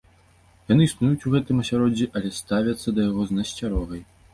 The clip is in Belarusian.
Яны існуюць у гэтым асяроддзі, але ставяцца да яго з насцярогай.